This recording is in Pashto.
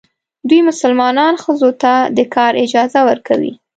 دوی مسلمانان ښځو ته د کار اجازه ورکوي.